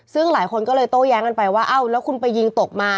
ซึ่งหลายคนก็เลยโต้แย้งกันไปว่าเอ้าแล้วคุณไปยิงตกมา